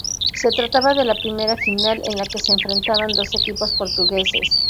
Se trataba de la primera final en la que se enfrentaban dos equipos portugueses.